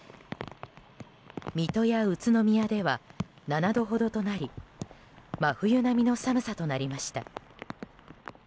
水戸や宇都宮では７度ほどとなり真冬並みの寒さとなりました。